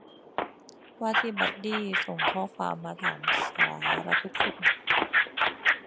ว่าที่บัดดี้ส่งข้อความมาถามสารทุกข์สุขดิบ